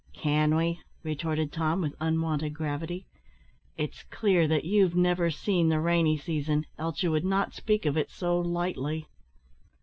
"Can we?" retorted Tom, with unwonted gravity. "It's clear that you've never seen the rainy season, else you would not speak of it so lightly."